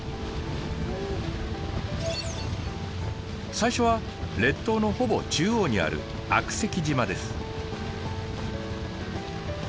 最初は列島のほぼ中央にある悪石島です。